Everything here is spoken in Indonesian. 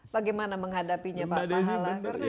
bagaimana menghadapinya pak pahala